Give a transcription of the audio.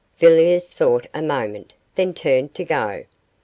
Villiers thought a moment, then turned to go.